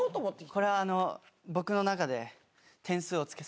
これは僕の中で。